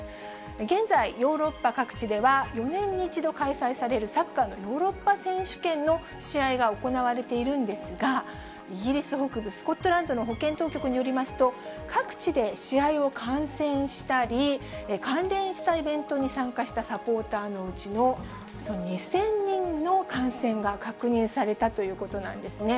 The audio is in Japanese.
現在、ヨーロッパ各地では、４年に１度開催されるサッカーのヨーロッパ選手権の試合が行われているんですが、イギリス北部、スコットランドの保健当局によりますと、各地で試合を観戦したり、関連したイベントに参加したサポーターのうちのおよそ２０００人の感染が確認されたということなんですね。